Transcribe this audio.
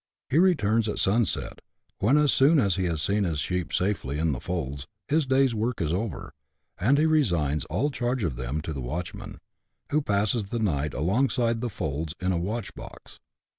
He returns at sunset, when, as soon as he has seen his sheep safely in the folds, his day's work is over, and he resigns all 'charge of them to the watchman, who passes the night alongside the folds in a " watch box."